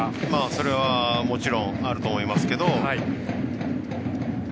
それはもちろんあると思いますけど。